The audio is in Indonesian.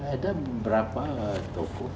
ada beberapa tokoh